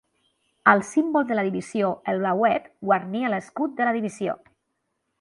El símbol de la divisió, el blauet, guarnia l'escut de la divisió.